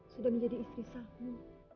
sudah menjadi istri saham